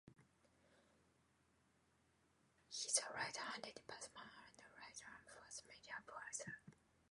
He is a right-handed batsman and a right-arm fast medium bowler.